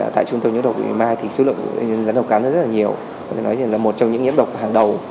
tại trung tâm nhiễm độc sưu lượng rắn độc cắn rất nhiều là một trong những nhiễm độc hàng đầu